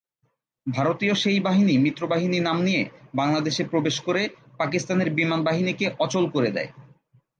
ভারতীয় সেই বাহিনী মিত্রবাহিনী নাম নিয়ে বাংলাদেশে প্রবেশ করে পাকিস্তানের বিমানবাহিনীকে অচল করে দেয়।